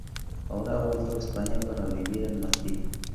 Ahora ha vuelto a España para vivir en Madrid.